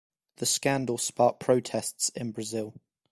The scandal sparked protests in Brazil.